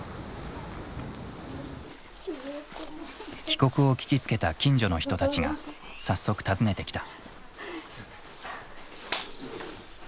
帰国を聞きつけた近所の人たちが早速訪ねてきた。